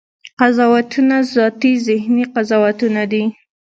قضاوتونه ذاتي ذهني قضاوتونه دي.